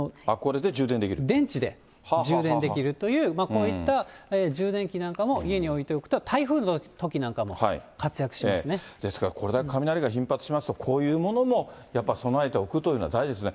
電池で充電できるという、こういった充電器なんかも家に置いておくと、台風のときなんかも活ですから、これだけ雷が頻発しますと、こういうものもやっぱ備えておくというのが大事ですね。